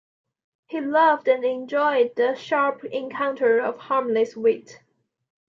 He loved and enjoyed the sharp encounter of harmless wit.